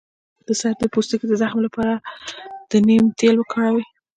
د سر د پوستکي د زخم لپاره د نیم تېل وکاروئ